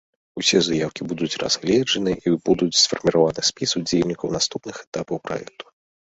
Усе заяўкі будуць разгледжаны, і будзе сфарміраваны спіс удзельнікаў наступных этапаў праекта.